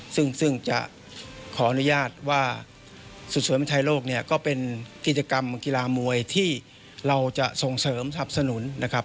ซึ่งจะขออนุญาตว่าสุดสวยเมืองไทยโลกเนี่ยก็เป็นกิจกรรมกีฬามวยที่เราจะส่งเสริมสับสนุนนะครับ